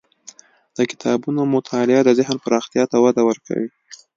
د کتابونو مطالعه د ذهن پراختیا ته وده ورکوي.